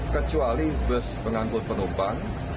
kecuali bus mengangkut penumpang